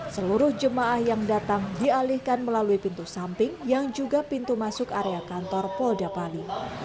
seluruh jemaah yang datang dialihkan melalui pintu samping yang juga pintu masuk area kantor polda bali